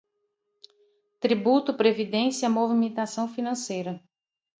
tributo, previdência, movimentação financeira